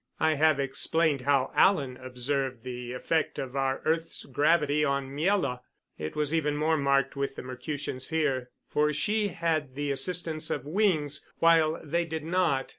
I have explained how Alan observed the effect of our earth's gravity on Miela. It was even more marked with the Mercutians here, for she had the assistance of wings, while they did not.